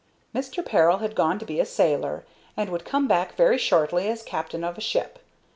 Mr. Peril had gone to be a sailor, and would come back very shortly as captain of a ship.